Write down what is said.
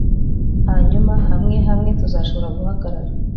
hanyuma hamwe hamwe tuzashobora guhagarara